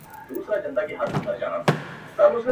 فلمونه مختلف کلتورونه معرفي کوي